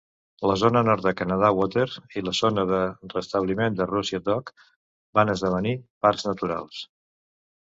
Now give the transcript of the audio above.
La zona nord de Canada Water i la zona de rebliment de Russia Dock van esdevenir parcs naturals.